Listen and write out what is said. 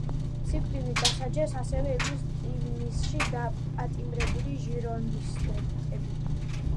სიკვდილით დასაჯეს ასევე ივნისში დაპატიმრებული ჟირონდისტები.